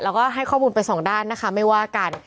แล้วก็ให้ข้อมูลไปสองด้านนะคะไม่ว่ากัน